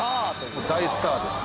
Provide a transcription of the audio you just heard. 大スターです。